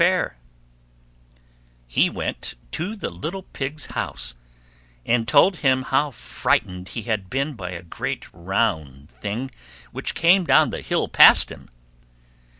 He went to the little Pig's house, and told him how frightened he had been by a great round thing which came down the hill past him.